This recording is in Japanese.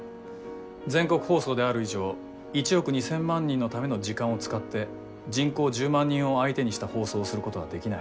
全国放送である以上１億２，０００万人のための時間を使って人口１０万人を相手にした放送をすることはできない。